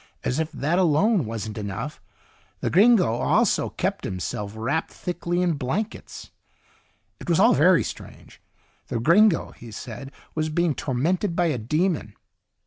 As if that alone wasn't enough, the gringo also kept himself wrapped thickly in blankets. It was all very strange. The gringo, he said, was being tormented by a demon.